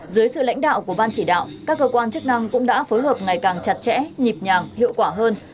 dưới sự lãnh đạo của ban chỉ đạo các cơ quan chức năng cũng đã phối hợp ngày càng chặt chẽ nhịp nhàng hiệu quả hơn